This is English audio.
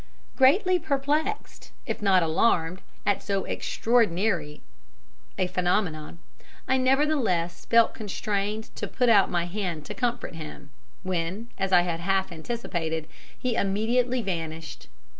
"Greatly perplexed, if not alarmed, at so extraordinary a phenomenon, I nevertheless felt constrained to put out my hand to comfort him when, as I had half anticipated, he immediately vanished.